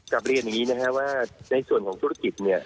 เรียนอย่างนี้นะครับว่าในส่วนของธุรกิจเนี่ย